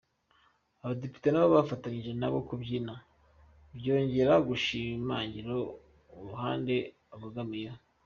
Abadepite nabo bafatanyije nabo kubyina, byongera gushimangira uruhande babogamiyeho.